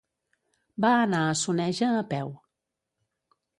Va anar a Soneja a peu.